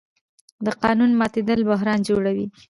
د قانون ماتېدل بحران جوړوي